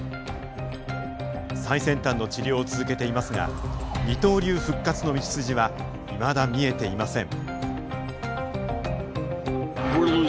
最先端の治療を続けていますが二刀流復活の道筋はいまだ見えていません。